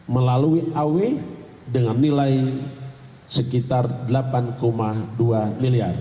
melalui aw dengan nilai sekitar rp delapan dua miliar